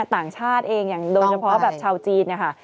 ต่างชาติเองอย่างโดยเฉพาะแบบชาวจีนนะคะ